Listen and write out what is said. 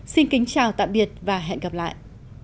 xin chào tạm biệt và hẹn gặp lại